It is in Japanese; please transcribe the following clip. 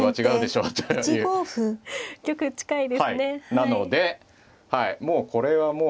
なのでこれはもう。